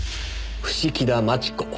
伏木田真智子。